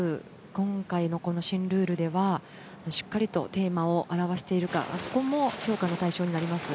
今回の新ルールではしっかりとテーマを表しているかも評価の対象になります。